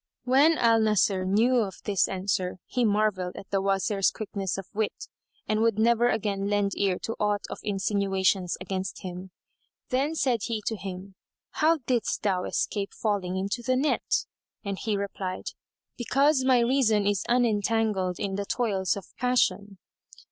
When al Nasir knew of this answer, he marvelled at the Wazir's quickness of wit and would never again lend ear to aught of insinuations against him. Then said he to him, "How didst thou escape falling into the net?" And he replied, "Because my reason is unentangled in the toils of passion."